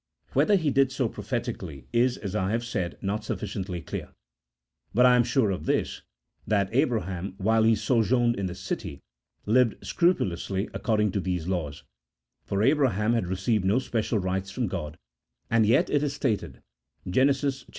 Whether He did so prophetically is, as I have said, not sufficiently clear ; but I am sure of this, that Abraham, whilst he sojourned in the city, lived scrupulously according to these laws, for Abraham had re ceived no special rites from God ; and yet it is stated (Gen. xxvi.